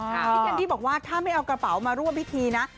แคนดี้บอกว่าถ้าไม่เอากระเป๋ามาร่วมพิธีนะ